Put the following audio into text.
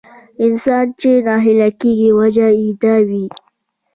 انسان چې ناهيلی کېږي وجه يې دا وي.